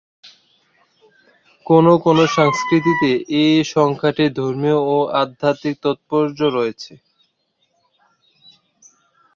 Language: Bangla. কোনো কোনো সংস্কৃতিতে এ সংখ্যাটির ধর্মীয় ও আধ্যাত্মিক তাৎপর্য রয়েছে।